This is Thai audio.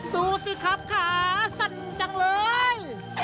ดูสิครับขาสั่นจังเลย